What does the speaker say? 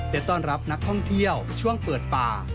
ต้อนรับนักท่องเที่ยวช่วงเปิดป่า